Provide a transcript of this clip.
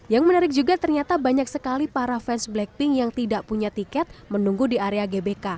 yang menarik juga ternyata banyak sekali para fans blackpink yang tidak punya tiket menunggu di area gbk